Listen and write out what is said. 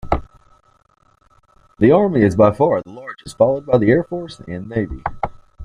The Army is by far the largest, followed by the Air Force and Navy.